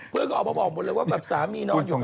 เพื่อนก็ออกมาบอกหมดเลยว่าแบบสามีนอนอยู่